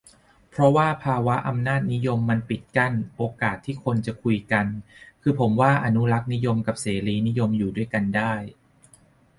เพราะว่าภาวะอำนาจนิยมมันปิดกั้นโอกาสที่คนจะคุยกัน คือผมว่าอนุรักษนิยมกับเสรีนิยมอยู่ด้วยกันได้